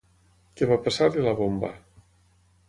Què va passar-li a la bomba?